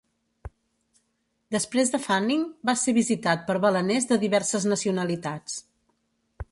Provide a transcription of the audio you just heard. Després de Fanning, va ser visitat per baleners de diverses nacionalitats.